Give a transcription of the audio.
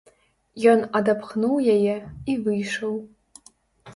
Ён адапхнуў яе і выйшаў.